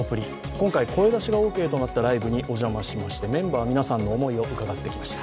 今回声出しがオーケーとなったライブにお邪魔しまして、メンバー皆さんの思いを伺ってきました。